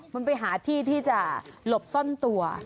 มันไปหาที่ที่จะหลบซ่อนตัว